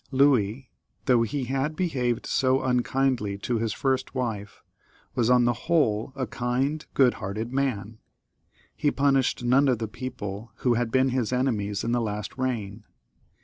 Louis, though he had behaved so unkindly to his first wife, was on the whole a kind, good hearted man. He punished none of the people who had been his enemies in the last reign.